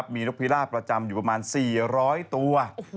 มีนกพิราประจำอยู่ประมาณ๔๐๐ตัว